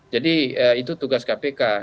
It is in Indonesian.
jadi itu tugas kpk